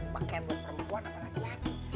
pakaian buat perempuan apa laki laki